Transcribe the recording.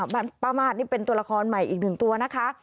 ป้ามาสนี่เป็นตัวละครใหม่อีกหนึ่งตัวนะคะ